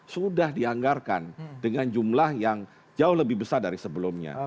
sudah dianggarkan dengan jumlah yang jauh lebih besar dari sebelumnya